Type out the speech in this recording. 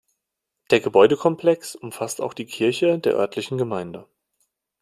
Der Gebäudekomplex umfasst auch die Kirche der örtlichen Gemeinde.